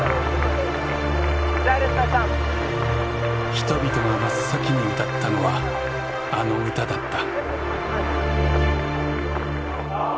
人々が真っ先に歌ったのは「あの歌」だった。